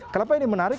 kenapa ini menarik